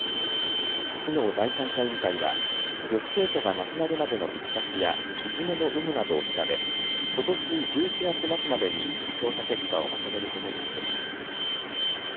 市の第三者委員会は女子生徒が亡くなるまでのいきさつやいじめの有無などを調べ、ことし１１月末までに調査結果をまとめることにしています。